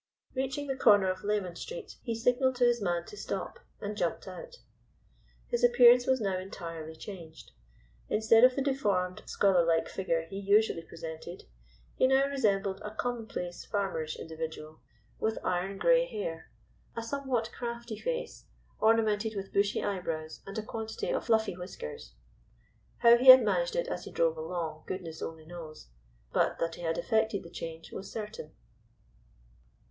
Reaching the corner of Leman Street he signalled to his man to stop, and jumped out. His appearance was now entirely changed. Instead of the deformed, scholar like figure he usually presented, he now resembled a commonplace, farmerish individual, with iron grey hair, a somewhat crafty face, ornamented with bushy eyebrows and a quantity of fluffy whiskers. How he had managed it as he drove along goodness only knows, but that he had effected the change was certain.